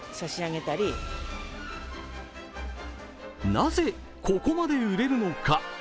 なぜ、ここまで売れるのか。